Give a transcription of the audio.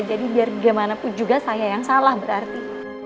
jadi biar bagaimanapun juga saya yang salah berarti